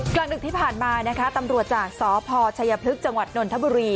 กลางดึกที่ผ่านมานะคะตำรวจจากสพชัยพฤกษ์จังหวัดนนทบุรี